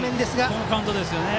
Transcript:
このカウントですよね。